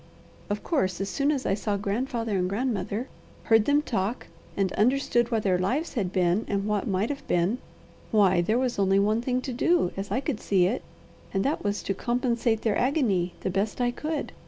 Of course, as soon as I saw grandfather and grandmother, heard them talk, and understood what their lives had been, and what might have been, why there was only one thing to do, as I could see it, and that was to compensate their agony the best I could.